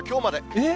えっ？